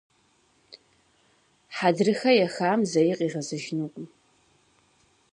Хьэдрыхэ ехам зэи къигъэзэжынукъым.